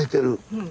うん。